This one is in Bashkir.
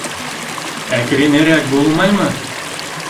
— Әкренерәк булмаймы?